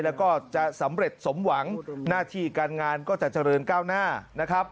แล้วก็จะสำเร็จสมหวังหน้าที่การงานก็จะเจริญก้าวหน้านะครับ